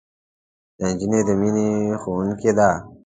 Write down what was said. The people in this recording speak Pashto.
نجلۍ د مینې ښوونکې ده.